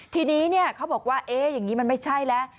ทีนี้เขาบอกว่าอย่างนี้มันไม่ใช่แล้ว